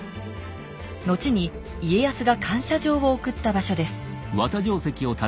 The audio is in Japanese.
後に家康が感謝状を送った場所です